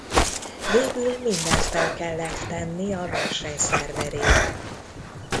Végül mindent fel kellett tenni a verseny szerverére.